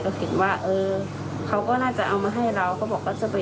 ก็คิดว่าเออเขาก็น่าจะเอามาให้เราเขาบอกว่าจะไป